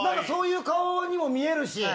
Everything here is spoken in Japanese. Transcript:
そういう顔にも見えるし。